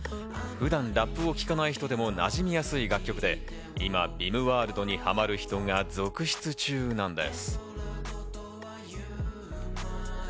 普段、ラップを聴かない人でもなじみやすい楽曲で今、ＢＩＭワールドにハマる人が続出中なんです。